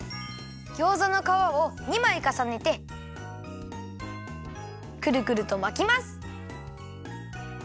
ギョーザのかわを２まいかさねてくるくるとまきます。